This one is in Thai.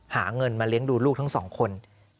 หาเงินมาเลี้ยงดูลูกทั้งสองคน